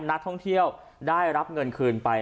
นักท่องเที่ยวได้รับเงินคืนไป